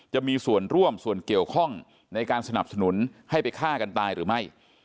จะมีส่วนร่วมส่วนเกี่ยวข้องในการสนับสนุนให้ไปฆ่ากันตายหรือไม่